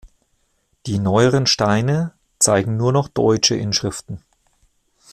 Die neueren Steine zeigen nur noch deutsche Inschriften.